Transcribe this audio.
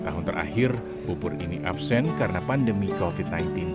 tahun terakhir bubur ini absen karena pandemi covid sembilan belas